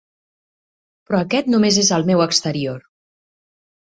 Però aquest només és el meu exterior.